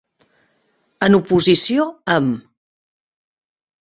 En oposició amb.